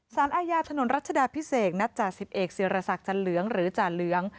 สารอายาธนรรภ์รัชดาพิเศกนัดจ่า๑๑สิรษักจ่าเลืองหรือจ่าเหลือง